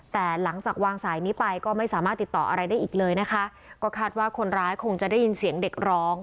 แต่หลังจากวางสายนี้ไปก็ไม่สามารถติดต่ออะไรได้อีกเลยนะคะก็คาดว่าคนร้ายคงจะได้ยินเสียงเด็กร้อง